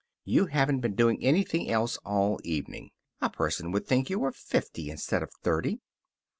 "You haven't been doing anything else all evening. A person would think you were fifty instead of thirty."